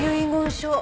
書